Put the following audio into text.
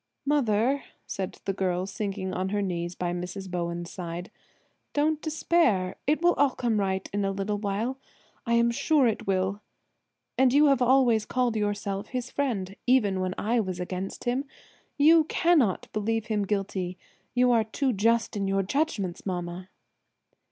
"Mother," said the girl, sinking on her knees by Mrs. Bowen's side, "don't despair; it will all come right in a little while, I am sure it will. And you have always called yourself his friend, even when I was against him. You cannot believe him guilty; you are too just in your judgment, mamma."